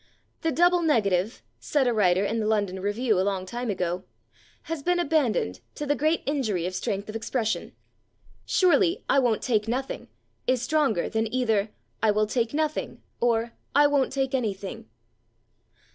"The double negative," said a writer in the /London Review/ a long time ago, "has been abandoned to the great injury of strength of expression." Surely "I won't take nothing" is stronger than either "I will take nothing" or "I won't take anything."